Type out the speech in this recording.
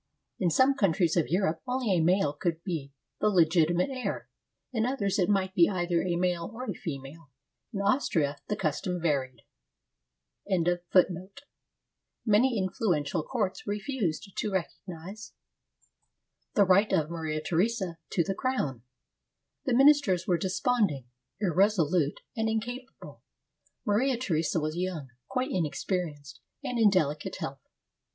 In some countries of Europe only a male could be the "legitimate heir"; in others it might be either a male or a female; in Austria, the custom varied. 321 AUSTRIA HUNGARY right of Maria Theresa to the crown. The ministers were de sponding, irresolute, and incapable. Maria Theresa was young, quite inexperienced, and in delicate health."